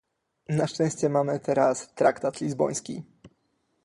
Na szczęście mamy teraz traktat lizboński